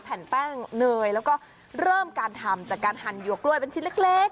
แผ่นแป้งเนยแล้วก็เริ่มการทำจากการหั่นหวกกล้วยเป็นชิ้นเล็ก